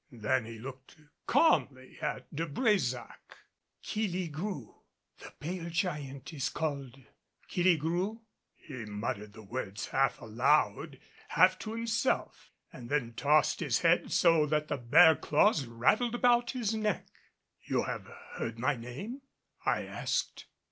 Then he looked calmly at De Brésac. "Keel ee gru the pale giant is called Keel ee gru?" He muttered the words half aloud, half to himself and then tossed his head so that the bear claws rattled about his neck. "You have heard my name?" I asked.